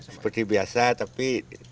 seperti biasa tapi